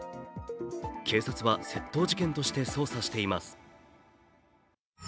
警察は窃盗事件として捜査しています。